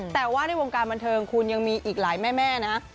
แต่ว่าในวงการบันเทิงคุณยังมีอีกหลายแม่นะ